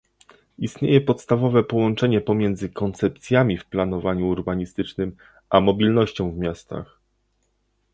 Istnieje podstawowe połączenie pomiędzy koncepcjami w planowaniu urbanistycznym a mobilnością w miastach